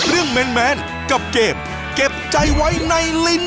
โชคความแม่นแทนนุ่มในศึกที่๒กันแล้วล่ะครับ